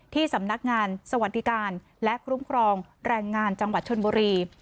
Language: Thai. ที่สำนักงานสวัสดิการและคุ้มครองแรงงานจังหวัดชนบุรี